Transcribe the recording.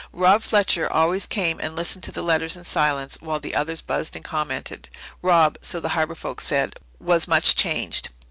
Rob Fletcher always came and listened to the letters in silence while the others buzzed and commented. Rob, so the Harbour folk said, was much changed.